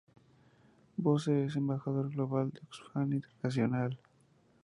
Bose es un embajador global de Oxfam Internacional.